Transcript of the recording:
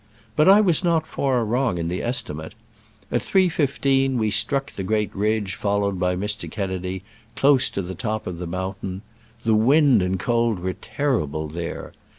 But I was not far wrong in the estimate. At 3.15 we struck the great ridge followed by Mr. Ken nedy, close to the top of the mountain. The wind and cold were terrible there.